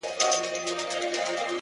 دا مي سوگند دی ـ